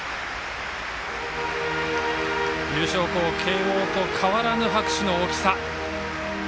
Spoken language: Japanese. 優勝校慶応と変わらぬ拍手の大きさ。